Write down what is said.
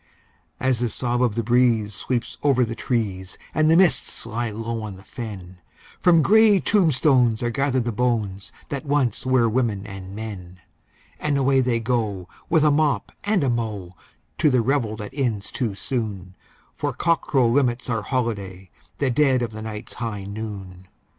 As the sob of the breeze sweeps over the trees, and the mists lie low on the fen, From grey tombstones are gathered the bones that once were women and men, And away they go, with a mop and a mow, to the revel that ends too soon, For cockcrow limits our holiday—the dead of the night's high noon!